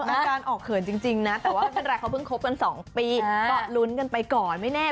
อาการออกเขินจริงนะแต่ว่าไม่เป็นไรเขาเพิ่งคบกัน๒ปีก็ลุ้นกันไปก่อนไม่แน่